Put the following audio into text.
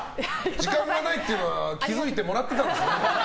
時間がないっていうのは気づいてもらってたんですね。